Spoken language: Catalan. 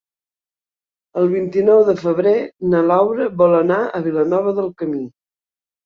El vint-i-nou de febrer na Laura vol anar a Vilanova del Camí.